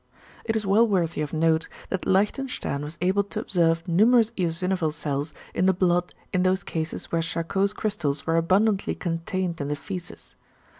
It is well worthy of note that Leichtenstern was able to observe numerous eosinophil cells in the blood in those cases where Charcot's crystals were abundantly contained in the fæces.